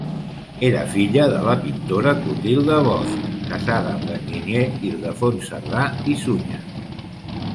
Era filla de la pintora Clotilde Bosch, casada amb l'enginyer Ildefons Cerdà i Sunyer.